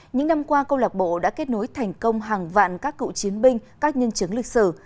những năm qua câu lạc bộ đã kết nối thành công hàng vạn các cựu chiến binh các nhân chứng lịch sử